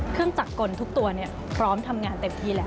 จากกลทุกตัวพร้อมทำงานเต็มที่แล้ว